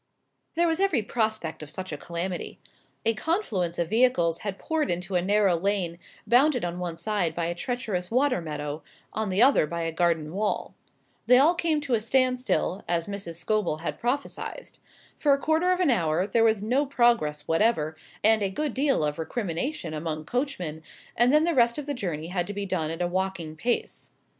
There was every prospect of such a calamity. A confluence of vehicles had poured into a narrow lane bounded on one side by a treacherous water meadow, on the other by a garden wall. They all came to a standstill, as Mrs. Scobel had prophesied. For a quarter of an hour there was no progress whatever, and a good deal of recrimination among coachmen, and then the rest of the journey had to be done at a walking pace.